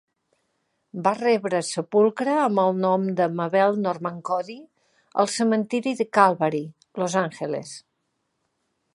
Va rebre sepulcre amb el nom de Mabel Normand-Cody al cementiri de Calvary, Los Angeles.